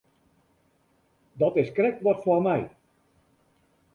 Dat is krekt wat foar my.